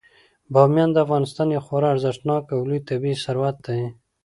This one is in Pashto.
بامیان د افغانستان یو خورا ارزښتناک او لوی طبعي ثروت دی.